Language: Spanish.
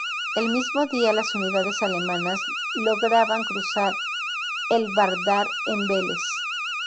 El mismo día, las unidades alemanas lograban cruzar el Vardar en Veles.